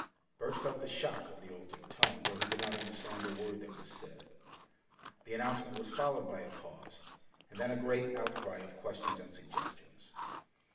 Bert felt the shock of the altered tone, though he could not understand a word that was said. The announcement was followed by a pause, and then a great outcry of questions and suggestions.